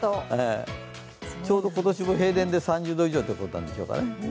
ちょうど今年も平年で３０度くらいということなんでしょうかね。